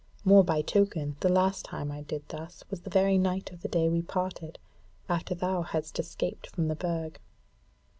More by token the last time I did thus was the very night of the day we parted, after thou hadst escaped from the Burg."